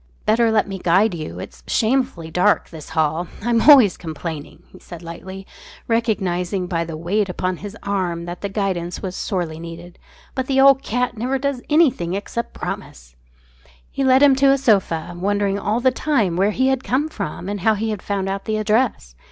"Better let me guide you. It's shamefully dark this hall. I'm always complaining," he said lightly, recognising by the weight upon his arm that the guidance was sorely needed, "but the old cat never does anything except promise." He led him to the sofa, wondering all the time where he had come from and how he had found out the address.